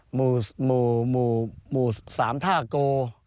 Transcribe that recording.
หมู่๓ท่าโก